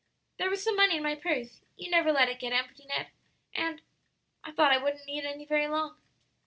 "There was some money in my purse you never let it get empty, Ned and I thought I wouldn't need any very long."